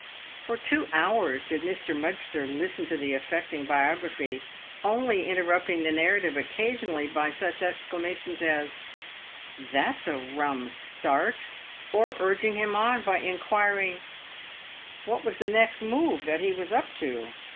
For two hours did Mr. Mudgster listen to the affecting biography, only inter rupting the narrative occasionally by such exclamations, as " That's a rum start !" or urging him on by inquiring, " What was the next move that he was up to